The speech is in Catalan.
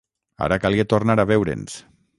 Ara calia tornar a veure'ns.